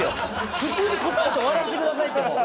普通に答えて終わらせてくださいってもう。